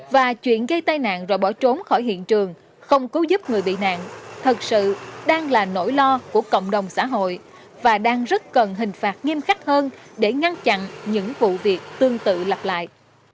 và chuyện gây tai nạn rồi bỏ trốn khỏi hiện trường không cứu giúp người bị nạn thật sự đang là nỗi lo của cộng đồng xã hội và đang rất cần hình phạt nghiêm khắc hơn để ngăn chặn những vụ việc tương tự lặp lại